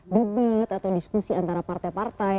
debat atau diskusi antara partai partai